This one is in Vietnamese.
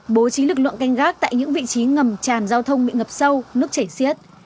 bố trí lực lượng canh gác tại những vị trí ngầm tràn giao thông bị ngập sâu nước chảy xiết